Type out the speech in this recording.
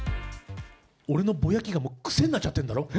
俺のぼやきがもう、癖になっちゃってんだろ。